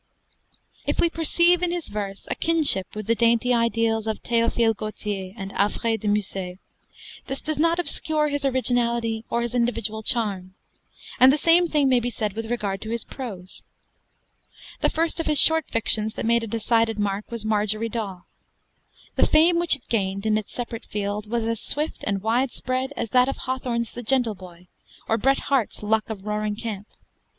If we perceive in his verse a kinship with the dainty ideals of Théophile Gautier and Alfred de Musset, this does not obscure his originality or his individual charm; and the same thing may be said with regard to his prose. The first of his short fictions that made a decided mark was 'Marjorie Daw.' The fame which it gained, in its separate field, was as swift and widespread as that of Hawthorne's 'The Gentle Boy' or Bret Harte's 'Luck of Roaring Camp.'